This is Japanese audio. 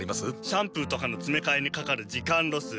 シャンプーとかのつめかえにかかる時間ロス。